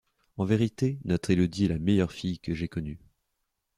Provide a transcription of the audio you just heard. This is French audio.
En vérité, notre Élodie est la meilleure fille que j'ai connue!